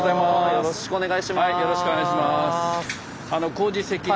よろしくお願いします。